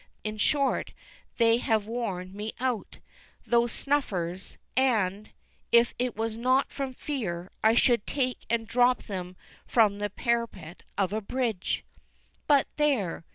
In short, they have worn me out those snuffers; and, if it was not from fear, I should take and drop them from the parapet of a bridge. But, there!